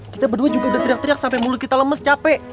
kita berdua juga udah teriak teriak sampai mulut kita lemes capek